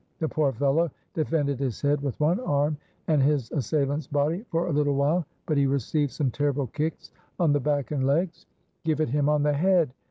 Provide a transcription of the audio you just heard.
The poor fellow defended his head with one arm and his assailant's body for a little while, but he received some terrible kicks on the back and legs. "Give it him on the head!"